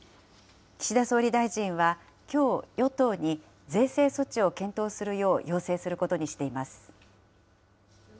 岸田総理大臣は、きょう与党に税制措置を検討するよう要請することにしています。